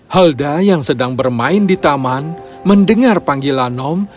helda yang sedang bermain di taman mendengar panggilan nom